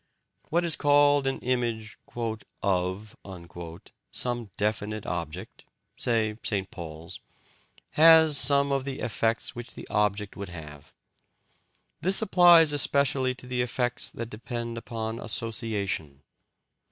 What is called an image "of" some definite object, say St. Paul's, has some of the effects which the object would have. This applies especially to the effects that depend upon association.